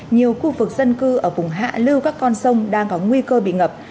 nhiều khu vực dân cư ở vùng hạ lưu các con sông đang có nguy cơ bị ngập